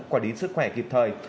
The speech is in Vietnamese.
quản lý sức khỏe kịp thời